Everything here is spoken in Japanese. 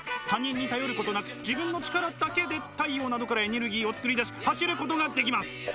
他人に頼ることなく自分の力だけで太陽などからエネルギーを作り出し走ることができます。